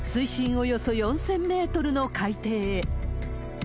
およそ４０００メートルの海底へ。